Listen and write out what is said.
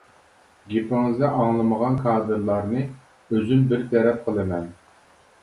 گېپىڭىزنى ئاڭلىمىغان كادىرلارنى ئۆزۈم بىر تەرەپ قىلىمەن!